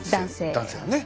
男性だね。